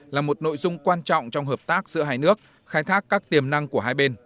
là một nội dung quan trọng trong hợp tác giữa hai nước khai thác các tiềm năng của hai bên